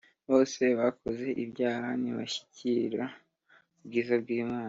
bose bakoze ibyaha, ntibashyikira ubwiza bw'Imana